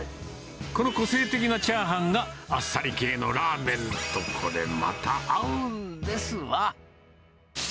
この個性的なチャーハンが、あっさり系のラーメンと、これまた合うんですわ。